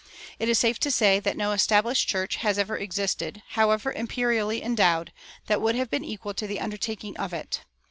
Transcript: It is safe to say that no established church has ever existed, however imperially endowed, that would have been equal to the undertaking of it.